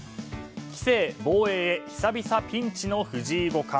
棋聖防衛へ久々ピンチの藤井五冠。